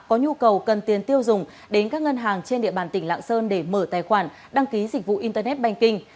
có nhu cầu cần tiền tiêu dùng đến các ngân hàng trên địa bàn tỉnh lạng sơn để mở tài khoản đăng ký dịch vụ internet banking